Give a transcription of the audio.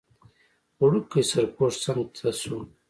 وړوکی سرپوښ څنګ ته شو.